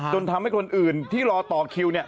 ทำให้คนอื่นที่รอต่อคิว